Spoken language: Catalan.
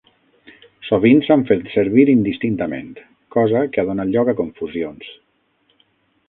Sovint s'han fet servir indistintament, cosa que ha donat lloc a confusions.